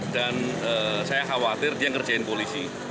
dan saya khawatir dia ngerjain polisi